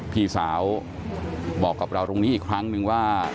พี่สาวบอกกับเราตรงนี้อีกครั้งนึงว่า